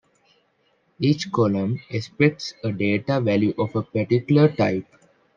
Each column expects a data value of a particular type.